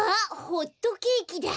ホットケーキだ！